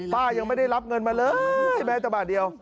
ป้ายังไม่ได้รับเงินมาเลยแม้แต่บาทเดียว